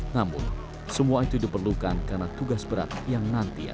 namun semua itu diperlukan karena tugas berat yang nantinya